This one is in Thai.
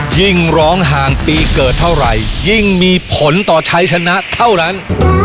ยิ่งร้องห่างปีเกิดเท่าไหร่ยิ่งมีผลต่อชัยชนะเท่านั้น